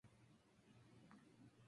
Fue indultado en el mismo año.